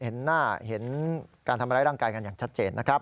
เห็นหน้าเห็นการทำร้ายร่างกายกันอย่างชัดเจนนะครับ